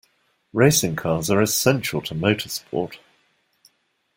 Racing cars are essential to motorsport